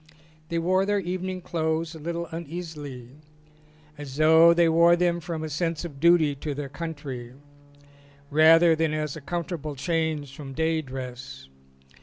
They wore their evening clothes a little uneasily as though they wore them from a sense of duty to their country rather than as a comfortable change from day dress.